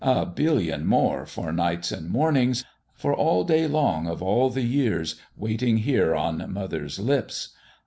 A billion more, for nights and mornings, for all day long of all the years, waiting here on mother's lips.